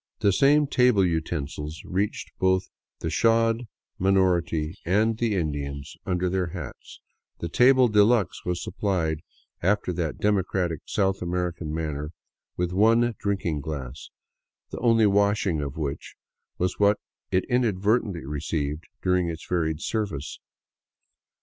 The same table utensils reached both the shod minority and the Indians under their hats ; the table de luxe was supplied, after that democratic South American manner, with one drinking glass, the only washing of which was what it inadvertently received during its varied service.